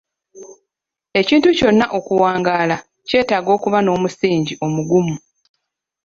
Ekintu kyonna okuwangaala kyetaaga okuba n'omusingi omugumu.